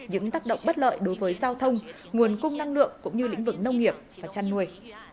những tác động bất lợi đối với giao thông nguồn cung năng lượng cũng như lĩnh vực nông nghiệp và chăn nuôi